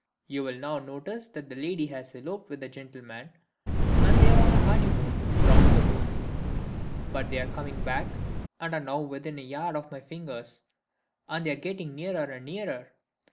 "You will now notice that the lady has eloped with the gentleman, and that they are on a honeymoon, round the room; but they are coming back, and are now within a yard of my fingers, and they are getting nearer and nearer."